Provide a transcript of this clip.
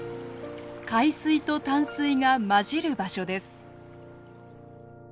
海水と淡水が混じる場所です。